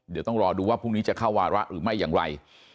เดี๋ยวต้องรอดูว่าพรุ่งนี้จะเข้าวาระหรือไม่อย่างไร